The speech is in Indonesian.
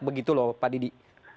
begitu loh pak didi